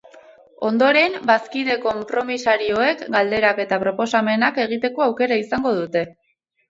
Ondoren, bazkide konpromisarioek galderak eta proposamenak egiteko aukera izango dute.